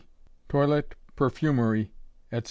THE TOILET, PERFUMERY, ETC.